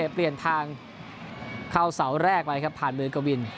เปลี่ยนทางเข้าเสาแรกไปครับผ่านเมืองกวิน